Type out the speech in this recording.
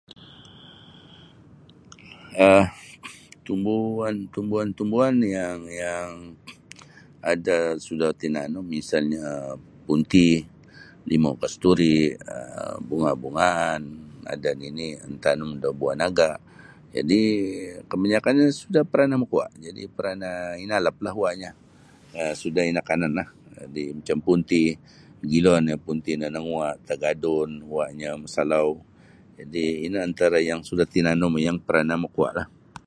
um Tumbuan Tumbuan-tumbuan yang yang ada suda tinanum misalnya punti, limau kasturi, um bunga-bungaan ada nini mantanum da buah naga jadi kabanyakanya suda parna makauwa jadi parnah inalap lah uwanyo um suda inakan di macam punti magilo nio punti no tinamuwa tagadun uwanyo masalau jadi ino antara yang suda tinanum yang parna makauwa lah.